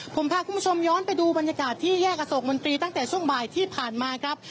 ผมพาคุณผู้ชมย้อนไปดูบรรยากาศที่แยกอโศกมนตรีตั้งแต่ช่วงบ่ายที่ผ่านมาครับ